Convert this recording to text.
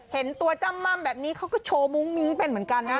เห็นตัวจ้ำม่ำแบบนี้เขาก็โชว์มุ้งมิ้งเป็นเหมือนกันนะ